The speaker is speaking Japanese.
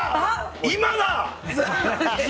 今だ！